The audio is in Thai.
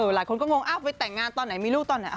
หลายคนก็งงไปแต่งงานตอนไหนมีลูกตอนไหน